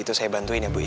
tak suker kok